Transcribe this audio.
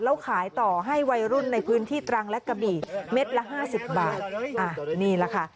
แล้วขายต่อให้วัยรุ่นในพื้นที่ตรังและกะบี่เม็ดละห้าสิบบาทอ่ะนี่แหละค่ะ